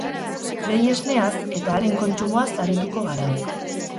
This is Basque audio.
Behi esneaz eta haren kontsumoaz arituko gara.